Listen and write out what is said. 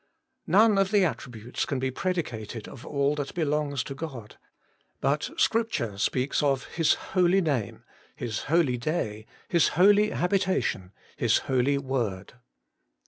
None of the attributes can be predicated of all that belongs to God ; but Scripture speaks of His Holy Name, His Holy Day, His Holy Habita tion, His Holy Word.